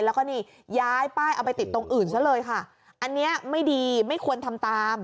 แล้วก็นี่ย้ายป้ายเอาไปติดตรงอื่นซะเลยค่ะอันนี้ไม่ดีไม่ควรทำตาม